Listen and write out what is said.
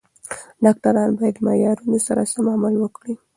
ډاکټران باید د معیارونو سره سم عمل وکړي.